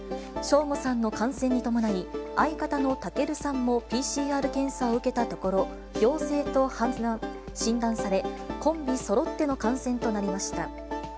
ショーゴさんの感染に伴い、相方のたけるさんもＰＣＲ検査を受けたところ、陽性と診断され、コンビそろっての感染となりました。